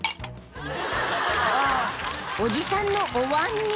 ［おじさんのおわんに］